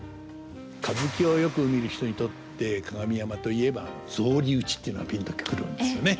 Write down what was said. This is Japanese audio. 歌舞伎をよく見る人にとって「加賀見山」といえば「草履打ち」っていうのがピンと来るんですよね。